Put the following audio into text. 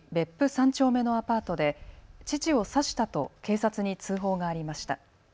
３丁目のアパートで父を刺したと警察に通報がありました。